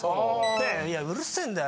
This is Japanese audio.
でうるせえんだよ